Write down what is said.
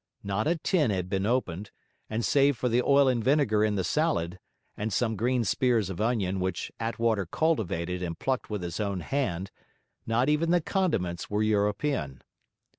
Not a tin had been opened; and save for the oil and vinegar in the salad, and some green spears of onion which Attwater cultivated and plucked with his own hand, not even the condiments were European.